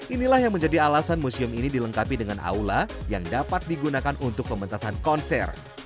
inilah yang menjadi alasan museum ini dilengkapi dengan aula yang dapat digunakan untuk pementasan konser